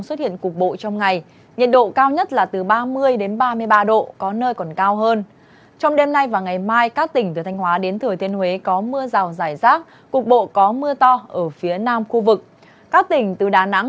xin chào quý vị và các bạn